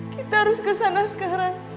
kita harus ke sana sekarang